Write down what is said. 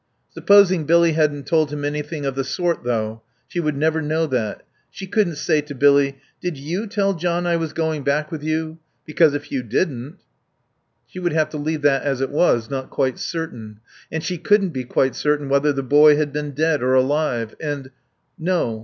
Supposing Billy hadn't told him anything of the sort, though? She would never know that. She couldn't say to Billy: "Did you tell John I was going back with you? Because; if you didn't " She would have to leave that as it was, not quite certain.... And she couldn't be quite certain whether the boy had been dead or alive. And ... No.